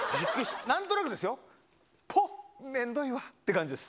なんとなくですよ、ぽっ、めんどいわっていう感じです。